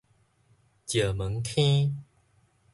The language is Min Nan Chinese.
石門坑